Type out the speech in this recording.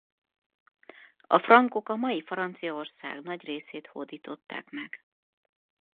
A frankok a mai Franciaország nagy részét hódították meg.